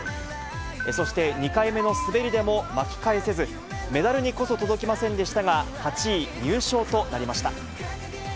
そして２回目の滑りでも巻き返せず、メダルにこそ届きませんでしたが、８位入賞となりました。